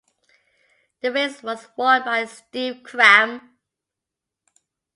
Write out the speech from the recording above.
The race was won by Steve Cram.